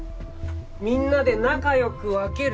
みんなで仲良く分ける？